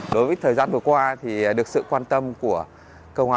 đối với thời gian vừa qua thì được sự quan tâm của công an